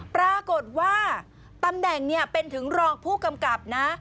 ปรากฏว่าตำแหน่งเป็นถึงรองผู้กำกับนะ